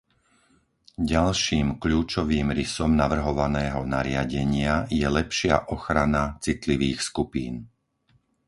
Ďalším kľúčovým rysom navrhovaného nariadenia je lepšia ochrana citlivých skupín.